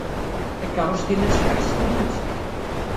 Takeṛṛust-inna tecbeḥ s tidet.